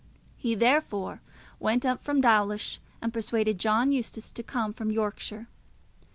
He therefore went up from Dawlish and persuaded John Eustace to come from Yorkshire.